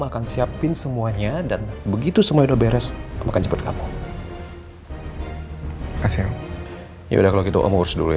akan siapin semuanya dan begitu semua udah beres akan cepat kamu ya udah kalau gitu om urus dulu ya